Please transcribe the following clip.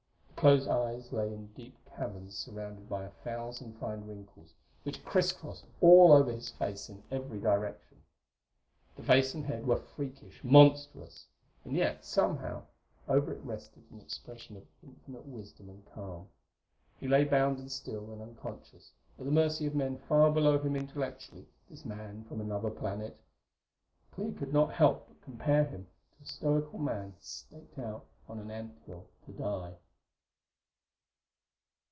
The closed eyes lay in deep caverns surrounded by a thousand fine wrinkles, which crisscrossed all over his face in every direction. The face and head were freakish monstrous; and yet, somehow, over it rested an expression of infinite wisdom and calm. He lay bound and still and unconscious, at the mercy of men far below him intellectually, this man from another planet. Clee could not help but compare him to a stoical man staked out on an anthill to die....